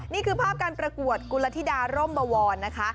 นี่คือภาพการประกวดกุลธิดาร่มบวรนะคะ